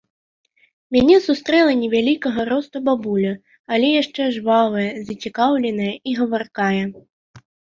Мяне сустрэла невялікага росту бабуля, але яшчэ жвавая, зацікаўленая і гаваркая.